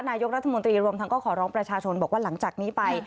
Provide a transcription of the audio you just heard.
นายกรัฐมนตรีรวมทั้งก็ขอร้องประชาชนบอกว่าหลังจากนี้ไป